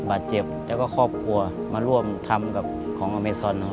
บาดเจ็บแล้วก็ครอบครัวมาร่วมทำกับของอเมซอน